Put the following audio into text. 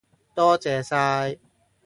多謝晒